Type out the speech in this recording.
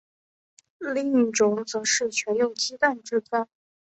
另一种则是全用鸡蛋制造。